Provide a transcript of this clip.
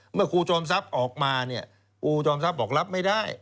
เมื่อครูจอมซับออกมาครูจอมซับออกลับไม่ได้